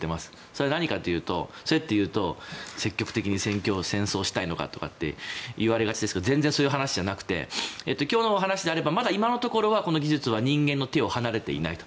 それは何かというと積極的に戦争したいのかって言われがちですけど全然そういう話じゃなくて今日の話であれば今のところこの技術は人間の手を離れていないと。